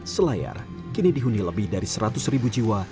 selayar kini dihuni lebih dari seratus ribu jiwa